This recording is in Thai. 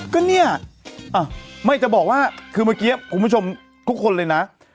ก็เนี่ยไม่จะบอกว่าคือเมื่อกี้คุณผู้ชมทุกคนเลยนะ